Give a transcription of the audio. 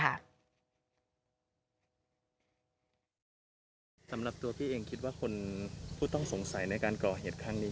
สำหรับตัวพี่เองคิดว่าคนผู้ต้องสงสัยในการก่อเหตุครั้งนี้